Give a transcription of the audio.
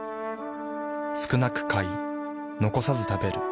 少なく買い残さず食べる。